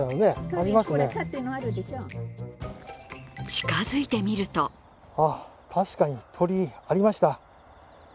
近づいてみるとあ、確かに鳥居、ありました。